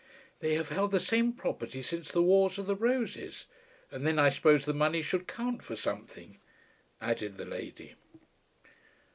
"They have held the same property since the wars of the roses. And then I suppose the money should count for something," added the lady.